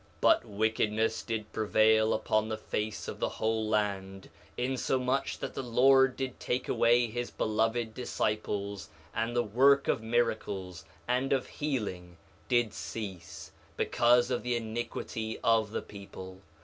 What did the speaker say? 1:13 But wickedness did prevail upon the face of the whole land, insomuch that the Lord did take away his beloved disciples, and the work of miracles and of healing did cease because of the iniquity of the people.